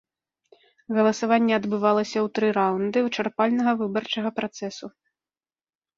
Галасаванне адбывалася ў тры раўнды вычарпальнага выбарчага працэсу.